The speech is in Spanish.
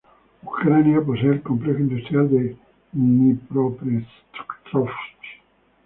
Ucrania posee al complejo industrial de Dnipropetrovsk.